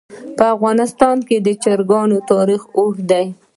په افغانستان کې د چرګان تاریخ اوږد دی.